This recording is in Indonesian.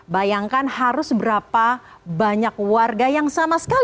bayangkan harus berapa banyak warga yang sama sekali